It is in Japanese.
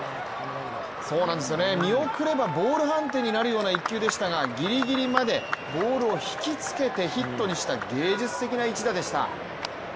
見送ればボール判定になるような一球でしたがギリギリまでボールを引きつけてヒットにした芸術的な一打でした。